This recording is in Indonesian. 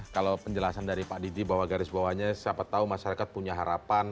kalau penjelasan dari pak didi bahwa garis bawahnya siapa tahu masyarakat punya harapan